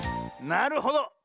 なるほど。